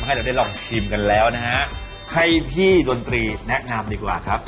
ให้เราได้ลองชิมกันแล้วนะฮะให้พี่ดนตรีแนะนำดีกว่าครับ